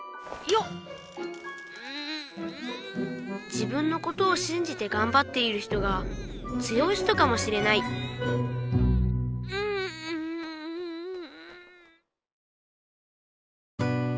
自分のことをしんじてがんばっている人が強い人かもしれないんん！